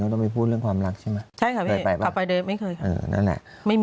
ก็ต้องไปพูดเรื่องความรักใช่ไหม